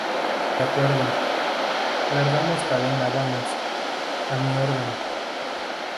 de acuerdo. ¡ largamos cadena, vamos! ¡ a mi orden!